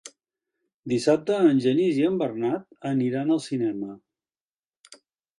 Dissabte en Genís i en Bernat aniran al cinema.